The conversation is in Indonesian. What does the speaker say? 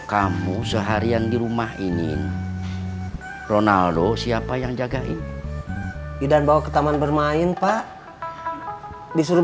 kamu seharian di rumah ini ronaldo siapa yang jagain i dan bawa ke taman bermain pak disuruh